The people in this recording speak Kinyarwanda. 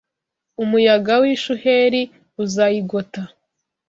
Umuyaga w’ishuheri uzayigota